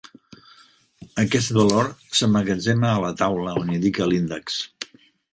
Aquest valor s'emmagatzema a la taula on indica l'índex.